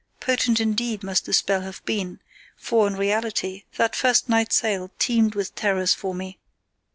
Potent indeed must the spell have been, for, in reality, that first night sail teemed with terrors for me.